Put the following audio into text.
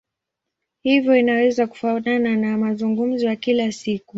Hivyo inaweza kufanana na mazungumzo ya kila siku.